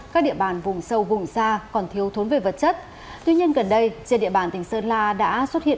các địa bàn vùng sâu vùng xa còn thiếu thốn về vật chất tuy nhiên gần đây trên địa bàn tỉnh sơn la đã xuất hiện